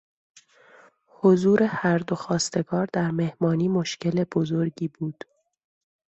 حضور هر دو خواستگار در مهمانی مشکل بزرگی بود.